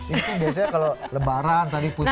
ini biasanya kalau lebaran tadi puspa